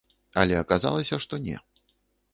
Але аказалася, што не.